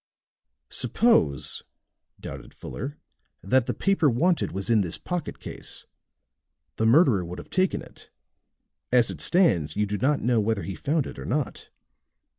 "Suppose," doubted Fuller, "that the paper wanted was in this pocket case. The murderer would have taken it. As it stands, you do not know whether he found it or not."